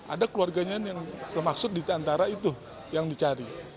ada keluarganya yang bermaksud di antara itu yang dicari